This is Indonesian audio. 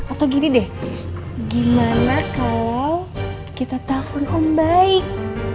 atau gini deh gimana kalau kita telfon om baik